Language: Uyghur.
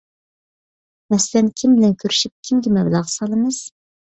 مەسىلەن، كىم بىلەن كۆرۈشۈپ، كىمگە مەبلەغ سالىمىز؟